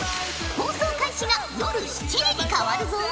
放送開始が夜７時に変わるぞ。